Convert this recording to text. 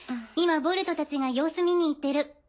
今ボルトたちが様子見に行ってる。